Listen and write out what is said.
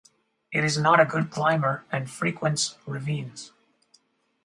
It is not a good climber and frequents ravines.